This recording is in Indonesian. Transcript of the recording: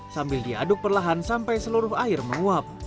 sambil diaduk perlahan sampai seluruh air menguap